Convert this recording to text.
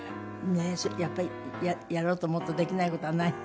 やっぱりやろうと思うとできない事はない。